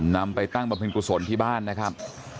นำไปตั้งบำเพ็ญกุศลที่บ้านนะครับ